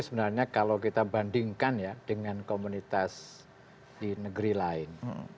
sebenarnya kalau kita bandingkan ya dengan komunitas di negeri lain